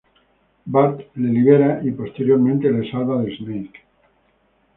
Bart le libera y posteriormente le salva de Snake.